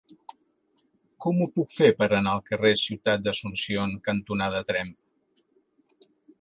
Com ho puc fer per anar al carrer Ciutat d'Asunción cantonada Tremp?